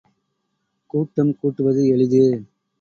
கூட்டம் கூட்டுவது எளிது!